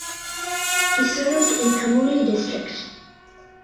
He served in Kamuli District.